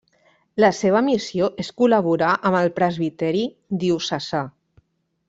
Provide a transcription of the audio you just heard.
La seva missió és col·laborar amb el presbiteri diocesà.